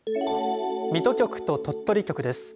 水戸局と鳥取局です。